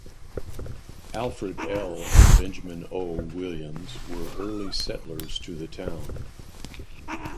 Alfred L. and Benjamin O. Williams were early settlers to the town.